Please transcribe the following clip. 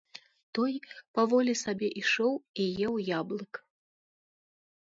Той паволі сабе ішоў і еў яблык.